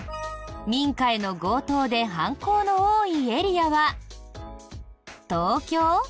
民家への強盗で犯行の多いエリアは東京？